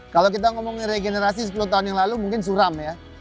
kalau kita ngomong regenerasi sepuluh tahun yang lalu mungkin suram ya